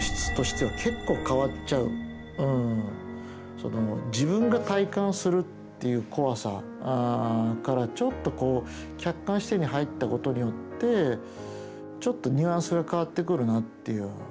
その自分が体感するっていう怖さからちょっとこう客観視点に入ったことによってちょっとニュアンスが変わってくるなっていう。